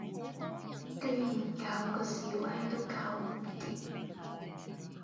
居然搞嗰示威都搞唔掂